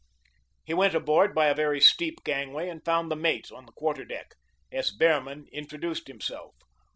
He went aboard by a very steep gangway and found the mate on the quarter deck. S. Behrman introduced himself.